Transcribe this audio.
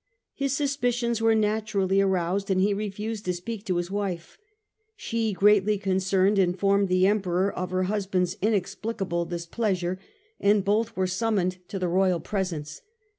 His suspicions were naturally aroused and he refused to speak to his wife. She, greatly concerned, informed the Emperor of her husband's inexplicable displeasure, and both were summoned to the royal presence.